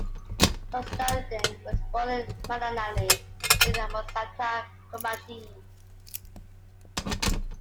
Constantine was born in Mananali, near Samosata, Commagene.